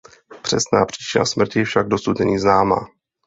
Přesná příčina smrti však dosud není známa.